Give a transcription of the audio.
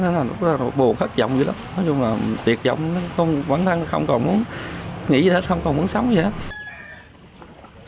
nói chung là tuyệt vọng bản thân không còn muốn nghỉ gì hết không còn muốn sống gì hết